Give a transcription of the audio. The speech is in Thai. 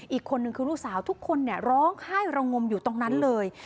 อีกคนนึงคือลูกสาวทุกคนร้องไห้ระงมอยู่ตรงนั้นเลย